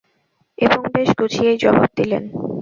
এবং বেশ গুছিয়েই জবাব দিলেন।